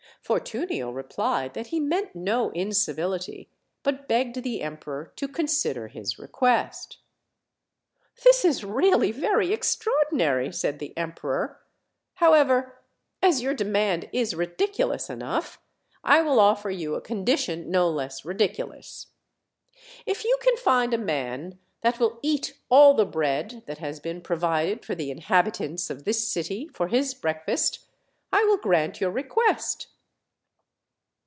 Fortunio replied that he meant no incivility, but begged the em peror to consider his request. "This is really very extraordinary," said the emperor; "however, as your demand is ridiculous enough, I will offer you a condition no less ridiculous. If you can find a man that will eat all the bread that has been provided for the inhabitants of this city for his breakfast, I will grant your request."